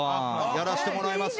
やらしてもらいます？